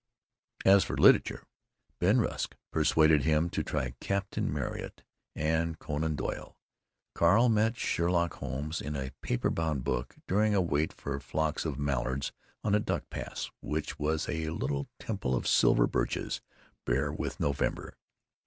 As for literature, Ben Rusk persuaded him to try Captain Marryat and Conan Doyle. Carl met Sherlock Holmes in a paper bound book, during a wait for flocks of mallards on the duck pass, which was a little temple of silver birches bare with November.